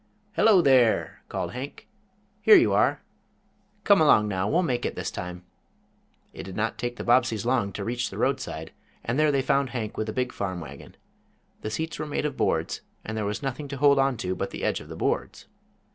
"Hello there!" called Hank. "Here you are. Come along now, we'll make it this time." It did not take the Bobbseys long to reach the roadside and there they found Hank with a big farm wagon. The seats were made of boards, and there was nothing to hold on to but the edge of the boards.